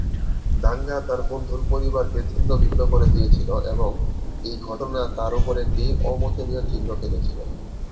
দাঙ্গা তাঁর বন্ধুর পরিবারকে ছিন্নভিন্ন করে দিয়েছিল এবং এই ঘটনা তাঁর উপর একটি অমোচনীয় চিহ্ন ফেলেছিল।